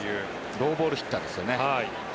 ローボールヒッターですよね。